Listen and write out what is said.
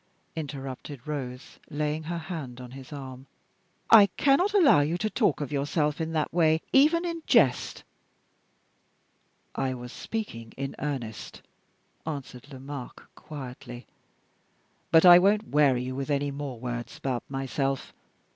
interrupted Rose, laying her hand on his arm. "I cannot allow you to talk of yourself in that way, even in jest." "I was speaking in earnest," answered Lomaque, quietly; "but I won't weary you with any more words about myself.